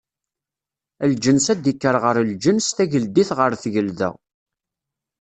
Lǧens ad d-ikker ɣer lǧens, tageldit ɣer tgelda.